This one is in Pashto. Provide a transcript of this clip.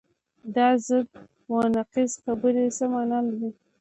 دا ضد و نقیض خبرې څه معنی لري؟